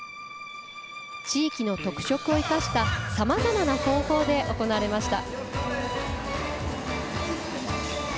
地域の特色を生かしたさまざまな方法で行われました。